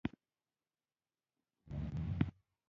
سیمونز وویل: زما خوږ انډیواله، بیرته ژر راشه.